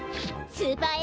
スーパーＡ